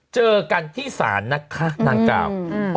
เจอกันที่ศาลนะคะนางกล่าว